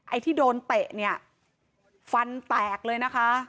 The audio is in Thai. ไอ้ที่โดนเตะเนี่ยฟันแตกเลยนะคะ